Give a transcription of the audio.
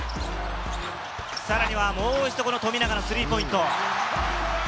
さらには、もう一度、この富永のスリーポイント。